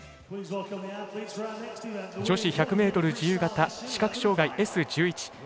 女子１００ｍ自由形視覚障がい、Ｓ１１。